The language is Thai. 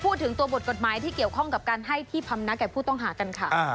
พูดถึงตัวบทกฎหมายที่เกี่ยวข้องกับการให้ที่พำนักแก่ผู้ต้องหากันค่ะ